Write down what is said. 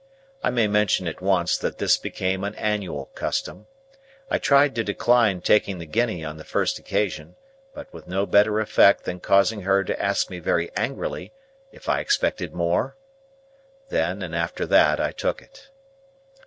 I may mention at once that this became an annual custom. I tried to decline taking the guinea on the first occasion, but with no better effect than causing her to ask me very angrily, if I expected more? Then, and after that, I took it.